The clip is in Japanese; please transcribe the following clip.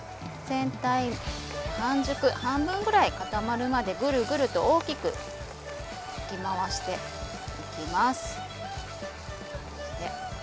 全体半熟半分ぐらい固まるまでぐるぐると大きくかき回していきます。